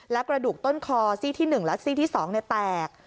และกระดูกต้นคอซี่ที่๑และซี่ที่๒แตก